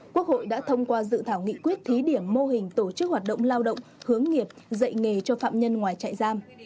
quốc hội đã thông qua dự thảo nghị quyết thí điểm mô hình tổ chức hoạt động lao động hướng nghiệp dạy nghề cho phạm nhân ngoài trại giam